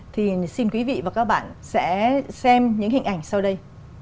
thì xin quý vị và các bạn sẽ xem những hình ảnh sau đây